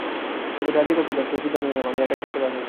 ওদের রাজি করতে ব্যর্থ হয়ে সিদ্ধান্ত নিলাম আমি একাই সাঁতরে পার হব।